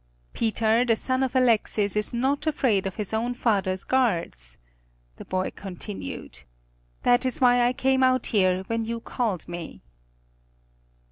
"Peter, the son of Alexis, is not afraid of his own father's guards!" the boy continued. "That is why I came out here when you called me."